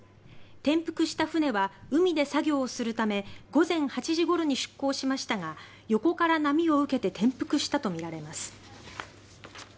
転覆した船は海で作業するため午前８時ごろに出港しましたが横から波を受けて転覆したとみられます。